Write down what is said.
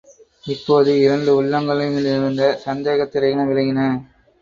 இப்போது இரண்டு உள்ளங்களிலுமிருந்த சந்தேகத்திரைகளும் விலகின.